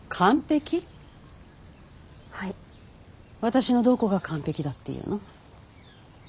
私のどこが完璧だっていうの？